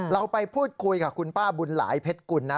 เราไปพูดคุยกับคุณป้าบุญหลายเพชรกุลนะ